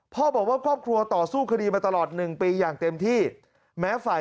พ่อบอกว่าครอบครัวต่อสู้คดีมาตลอด๑ปีอย่างเต็มที่แม้ฝ่าย